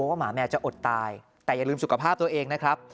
หมาแมวจะอดตายแต่อย่าลืมสุขภาพตัวเองนะครับ